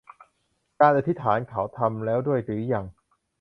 และการอธิษฐานเขาทำแล้วด้วยหรือยัง